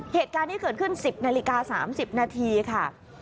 เหตุการณ์นี้เกิดขึ้น๑๐นาฬิกา๓๐นาทีค่ะ